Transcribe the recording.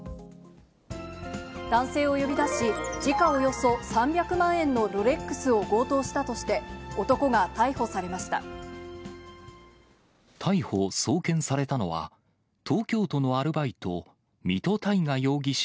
男性を呼び出し、時価およそ３００万円のロレックスを強盗したとして、男が逮捕さ逮捕・送検されたのは、東京都のアルバイト、水戸大河容疑者